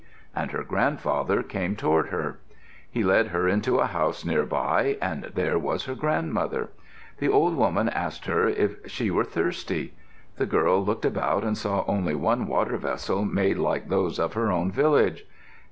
and her grandfather came toward her. He led her into a house nearby and there was her grandmother. The old woman asked her if she were thirsty. The girl looked about and saw only one water vessel made like those of her own village.